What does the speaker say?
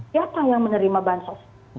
siapa yang menerima bansos